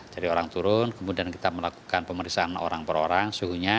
jadi orang turun kemudian kita melakukan pemeriksaan orang per orang suhunya